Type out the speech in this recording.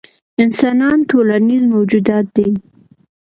انسانان ټولنیز موجودات دي.